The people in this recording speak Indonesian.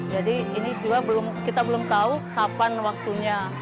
jadi ini juga kita belum tahu kapan waktunya